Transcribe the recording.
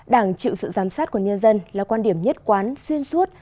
đảng chịu sự giám sát của nhân dân là quan điểm nhất quán xuyên suốt